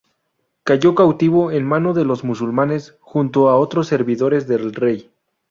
Cayó cautivo en mano de los musulmanes, junto a otros servidores del rey.